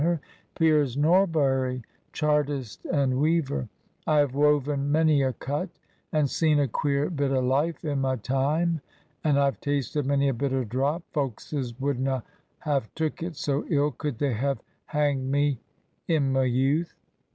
44 TRANSITION. " Piers Norbury, Chartist and weaver. I have woven many a cut, and seen a queer bit o' life i' my time. And IVe tasted many a bitter drop. Folkses would na have took it so ill could they have hanged me i' my youth.